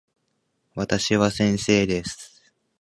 私は先生です。